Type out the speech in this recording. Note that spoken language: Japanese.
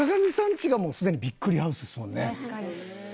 家がもうすでにびっくりハウスですもんね。